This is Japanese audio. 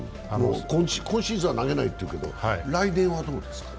今シーズンは投げないというけど、来年はどうですか？